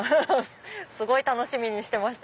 すごい楽しみにしてました